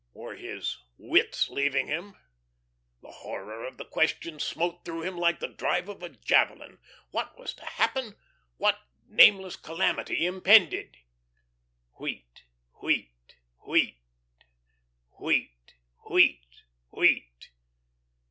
Were his wits leaving him? The horror of the question smote through him like the drive of a javelin. What was to happen? What nameless calamity impended? "Wheat wheat wheat, wheat wheat wheat."